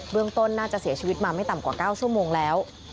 เรื่องต้นน่าจะเสียชีวิตมาไม่ต่ำกว่า๙ชั่วโมงแล้ว